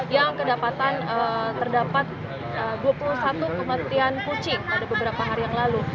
yang terdapat dua puluh satu kematian kucing pada beberapa hari yang lalu